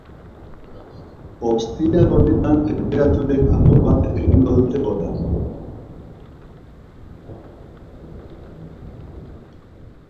Ostiral honetan tenperaturek apur bat egingo dute gora.